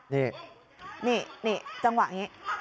นี่นี่นี่จังหวะนี้